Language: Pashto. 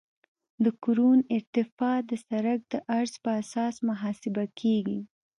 د کرون ارتفاع د سرک د عرض په اساس محاسبه کیږي